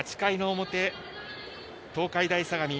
８回の表、東海大相模